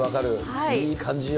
いい感じよ。